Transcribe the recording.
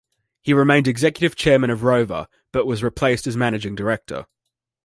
He remained executive chairman of Rover but was replaced as managing director.